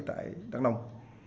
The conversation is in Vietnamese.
tại đăng nông